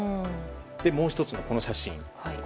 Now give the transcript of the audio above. もう１つの写真。